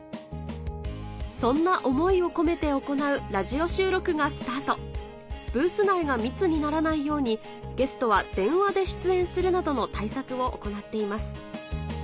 そんな思いを込めて行うラジオ収録がスタートブース内が密にならないようにゲストは電話で出演するなどの対策を行っています